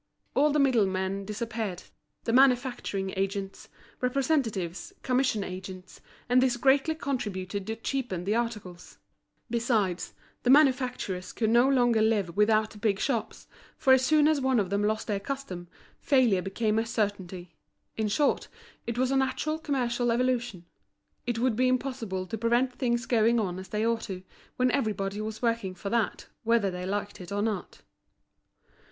All the middle men disappeared, the manufacturing agents, representatives, commission agents, and this greatly contributed to cheapen the articles; besides, the manufacturers could no longer live without the big shops, for as soon as one of them lost their custom, failure became a certainty; in short, it was a natural commercial evolution. It would be impossible to prevent things going on as they ought to, when everybody was working for that, whether they liked it or not.